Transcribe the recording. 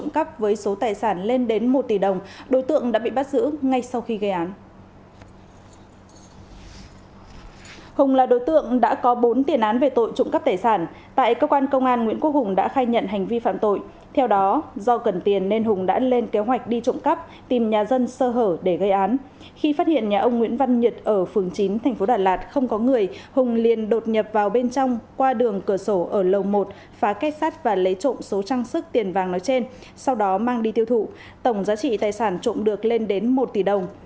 khi phát hiện nhà ông nguyễn văn nhật ở phường chín tp đà lạt không có người hùng liền đột nhập vào bên trong qua đường cửa sổ ở lầu một phá cách sát và lấy trộm số trang sức tiền vàng nói trên sau đó mang đi tiêu thụ tổng giá trị tài sản trộm được lên đến một tỷ đồng